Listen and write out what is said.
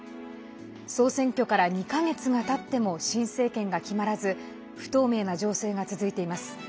総選挙から２か月がたっても新政権が決まらず不透明な情勢が続いています。